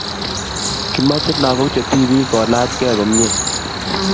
Kimache lakok che tipik ko lach kee komie